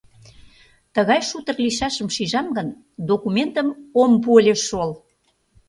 Тыгай шутыр лийшашым шижам гын, документым ом пу ыле шол.